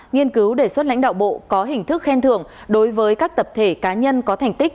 nghiên cứu đề xuất lãnh đạo bộ có hình thức khen thưởng đối với các tập thể cá nhân có thành tích